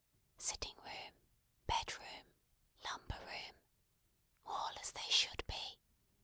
Sitting room, bedroom, lumber room. All as they should be.